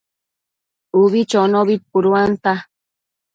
Ubi chonobi puduanta